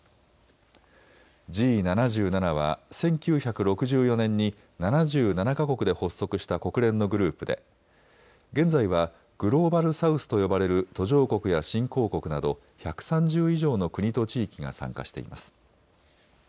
Ｇ７７は１９６４年に７７か国で発足した国連のグループで現在はグローバル・サウスと呼ばれる途上国や新興国など１３０以上の国と地域が参加しています。